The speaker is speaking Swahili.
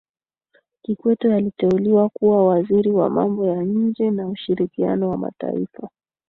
kikwete aliteuliwa kuwa waziri wa mambo ya nje na ushirikiano wa mataifa